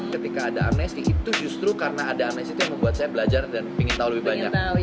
ketika ada amnesti itu justru karena ada amnesti itu yang membuat saya belajar dan ingin tahu lebih banyak